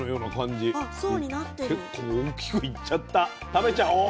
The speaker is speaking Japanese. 食べちゃおう。